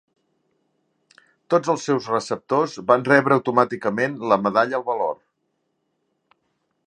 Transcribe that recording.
Tots els seus receptors van rebre automàticament la Medalla al Valor.